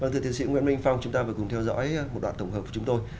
thưa tiến sĩ nguyễn minh phong chúng ta vừa cùng theo dõi một đoạn tổng hợp của chúng tôi